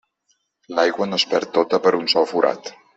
L'aigua no es perd tota per un sol forat.